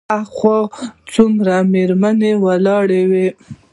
هاخوا څو مېرمنې ولاړې وې.